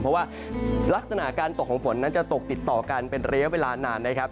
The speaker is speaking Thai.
เพราะว่าลักษณะการตกของฝนนั้นจะตกติดต่อกันเป็นระยะเวลานานนะครับ